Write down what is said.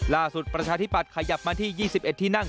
ล่าสุดประชาธิปัตรขยับมาที่๒๑ที่นั่ง